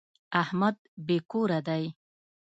احمد بې کوره دی.